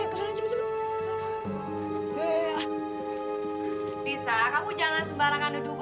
ya tadi itu aku pingin nyalain sumbu kompor